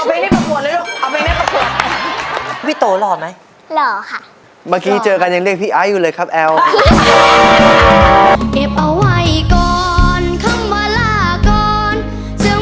เอาไปในประโยชน์เลยลูกเอาไปในประโยชน์